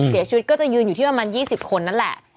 เสียชีวิตก็จะยืนอยู่ที่ประมาณ๒๐คนนั่นแหละ